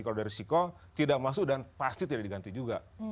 kalau dari risiko tidak masuk dan pasti tidak diganti juga